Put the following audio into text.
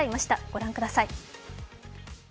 ご覧ください。